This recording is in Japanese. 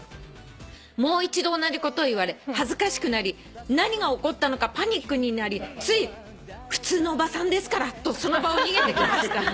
「もう一度同じことを言われ恥ずかしくなり何が起こったのかパニックになりつい普通のおばさんですからとその場を逃げてきました」